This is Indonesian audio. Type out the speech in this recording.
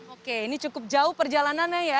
oke ini cukup jauh perjalanannya ya